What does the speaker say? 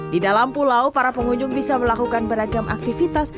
di dalam pulau para pengunjung bisa melakukan beragam aktivitas